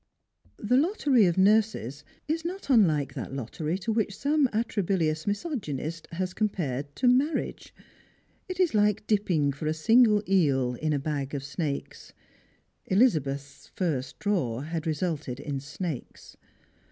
The lottery of nurses is not unlike that lottery to which sonif atrabilious misogynist has compared to marriage. It is lik^ dipping for a single eel in a bag of snakes. Elizabeth's first draw had resulted in snakes.